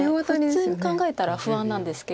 普通に考えたら不安なんですけれども。